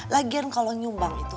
lagian kalau nyumbang itu